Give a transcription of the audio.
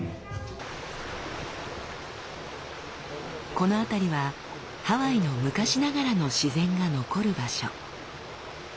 この辺りはハワイの昔ながらの自然が残る場所。